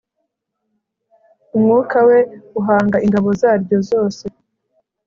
umwuka we uhanga ingabo zaryo zose